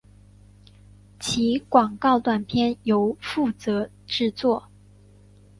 其广告短片由负责制作。